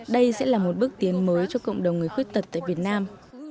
đây sẽ là một bước tiến mới cho cộng đồng người khuyết tật tại việt nam